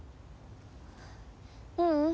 ううん。